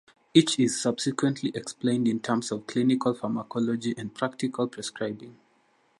Each is subsequently explained in terms of clinical pharmacology and practical prescribing.